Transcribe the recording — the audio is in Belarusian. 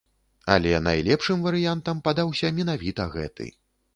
Але найлепшым варыянтам падаўся менавіта гэты.